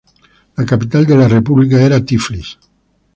La capital de la república era Tiflis.